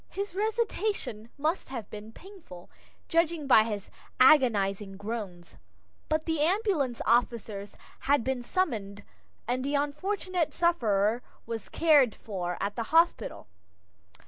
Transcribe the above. His resuscitation must have been painful, judging by his agonizing groans, but the ambulance officers had been summoned and the unfortunate sufferer was cared for at the hospital.